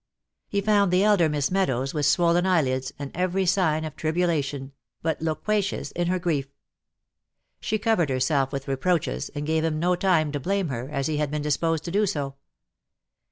He found the elder Miss Meadows with swollen eyelids, and every sign of tribulation, but loquacious in her grief She covered herself with reproaches, and gave him no time to blame her, had he been disposed to do so.